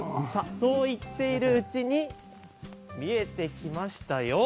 そう言っているうちに見えてきましたよ。